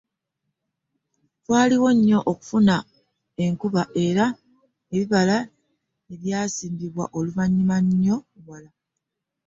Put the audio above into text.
Twalwawo nnyo okufuna enkuba era ebibala byasimbibwa luvannyuma nnyo wala.